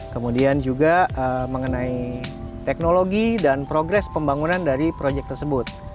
kemudian juga mengenai teknologi dan progres pembangunan dari proyek tersebut